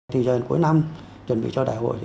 thì giờ cuối năm chuẩn bị cho đại hội